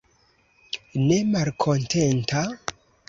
Ne malkontenta?